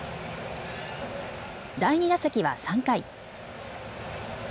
第２打席は３回。